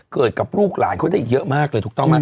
เกิดกับลูกหลานเขาได้เยอะมากเลยถูกต้องไหม